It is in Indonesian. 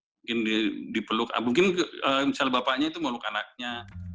mungkin misalnya bapaknya itu meluk anaknya